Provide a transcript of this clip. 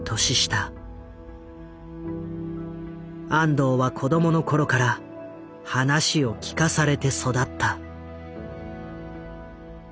安藤は子供の頃から話を聞かされて育った。